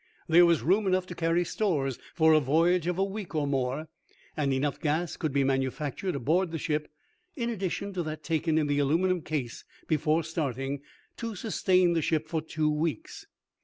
There was room enough to carry stores for a voyage of a week or more, and enough gas could be manufactured aboard the ship, in addition to that taken in the aluminum case before starting, to sustain the ship for two weeks.